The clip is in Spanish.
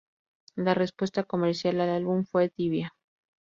La respuesta comercial al álbum fue tibia.